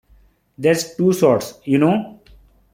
There's two sorts, you know.